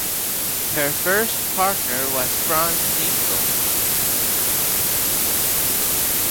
Her first partner was Franz Ningel.